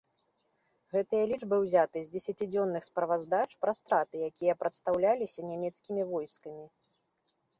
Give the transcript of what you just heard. Гэтыя лічбы ўзяты з дзесяцідзённых справаздач пра страты, якія прадстаўляліся нямецкімі войскамі.